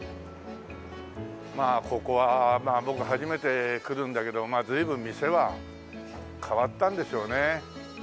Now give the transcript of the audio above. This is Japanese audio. まあここは僕初めて来るんだけど随分店は変わったんでしょうね。